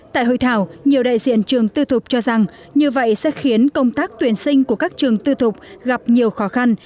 tại hội thảo nhiều đại diện trường tư thục cho rằng như vậy sẽ khiến công tác tuyển sinh của các trường tư thục gặp nhiều khó khăn